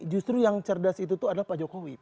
justru yang cerdas itu tuh adalah pak jokowi